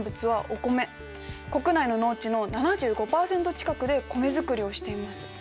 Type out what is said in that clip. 国内の農地の７５％近くで米づくりをしています。